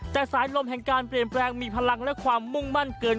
แต่สายลมแห่งการเปลี่ยนแปลงมีพลังและความมุ่งมั่นเกิน